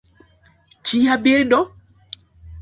Kia bildo!